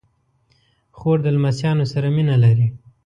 خور د لمسيانو سره مینه لري.